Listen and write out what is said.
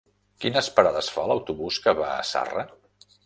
Quines parades fa l'autobús que va a Zarra?